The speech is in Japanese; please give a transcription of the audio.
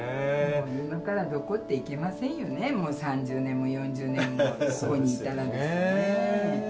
今からどこって行けませんよね、もう３０年も４０年も、ここにいたらですね。